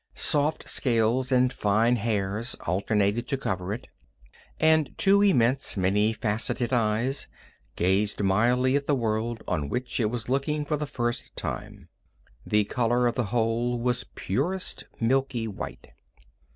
Soft scales and fine hairs alternated to cover it, and two immense, many faceted eyes gazed mildly at the world on which it was looking for the first time. The color of the whole was purest milky white.